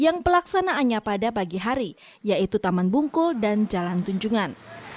yang pelaksanaannya pada pagi hari yaitu taman bungkul dan jalan tunjungan